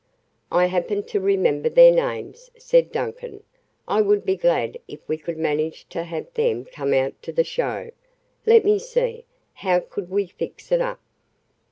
"I happen to remember their names," said Duncan. "I would be glad if we could manage to have them come out to the show. Let me see. How could we fix it up?"